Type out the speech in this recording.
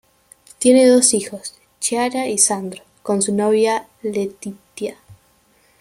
Tiene dos hijos, Chiara y Sandro, con su novia Laetitia.